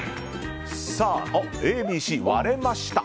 ＡＢＣ、割れました。